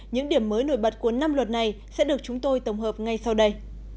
những điểm mới nổi bật của năm luật này sẽ được chúng tôi tổng hợp ngay sau đây